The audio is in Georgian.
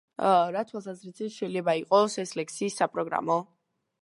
რა თვალსაზრისით შეიძლება იყოს ეს ლექსი საპროგრამო?